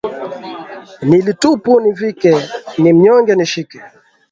Nili tupu nivike, ni mnyonge nishike